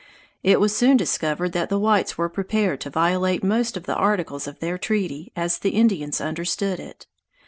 It was soon discovered that the whites were prepared to violate most of the articles of their treaty as the Indians understood it.